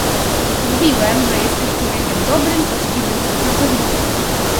Mówiłem, że jesteś człowiekiem dobrym, poczciwym i pracowitym.